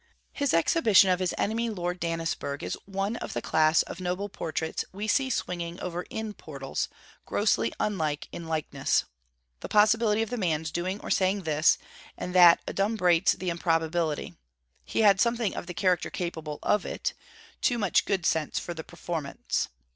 His exhibition of his enemy Lord Dannisburgh, is of the class of noble portraits we see swinging over inn portals, grossly unlike in likeness. The possibility of the man's doing or saying this and that adumbrates the improbability: he had something of the character capable of it, too much good sense for the performance.